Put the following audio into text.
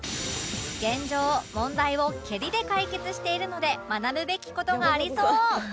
現状問題を蹴りで解決しているので学ぶべき事がありそう